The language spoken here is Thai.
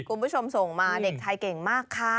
คุณผู้ชมส่งมาเด็กไทยเก่งมากค่ะ